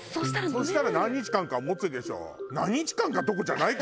そしたら何日間かは持つでしょ。